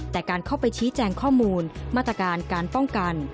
แต่การเข้าไปชี้แจงข้อมูลมาตรการการป้องกัน